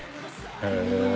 へえ。